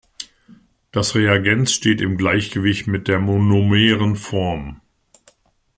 Das Reagenz steht im Gleichgewicht mit der monomeren Form.